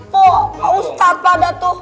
pak ustadz pada tuh